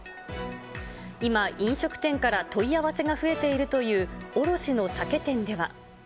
今、飲食店から問い合わせが増えているという卸の酒店では。